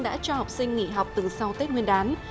đã cho học sinh nghỉ học từ sau tết nguyên đán